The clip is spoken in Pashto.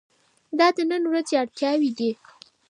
دا د نن ورځې اړتیاوې دي.